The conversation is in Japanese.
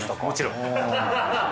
もちろん。